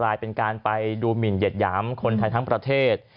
กลายเป็นการไปดูหมินเหยียดหยามคนไทยทั้งประเทศ